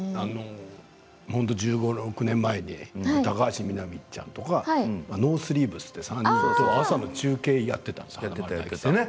１５、１６年前に高橋みなみちゃんとかノースリーブスって３人で朝の中継やっていたんですよね。